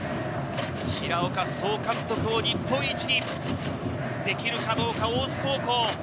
平岡総監督を日本一にできるかどうか、大津高校。